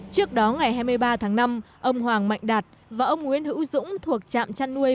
trước đó ngày hai mươi ba tháng năm ông hoàng mạnh đạt và ông nguyễn hữu dũng thuộc trạm chăn nuôi